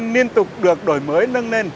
liên tục được đổi mới nâng lên